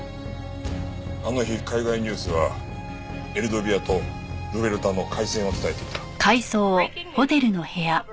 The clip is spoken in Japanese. あの日海外ニュースはエルドビアとルベルタの開戦を伝えていた。